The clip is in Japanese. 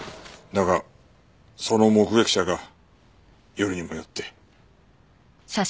だがその目撃者がよりにもよって。